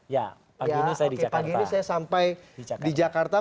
ya pagi ini saya di jakarta